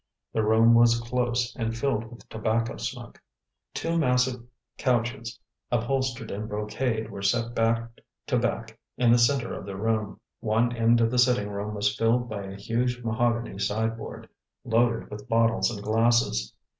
The room was close and filled with tobacco smoke. Two massive couches upholstered in brocade were set back to back in the center of the room. One end of the sitting room was filled by a huge mahogany sideboard, loaded with bottles and glasses.